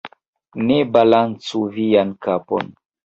Ne balancu vian kapon.